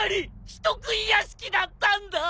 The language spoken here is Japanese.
人喰い屋敷だったんだ！